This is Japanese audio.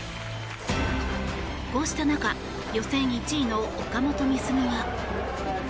こうした中予選１位の岡本碧優は。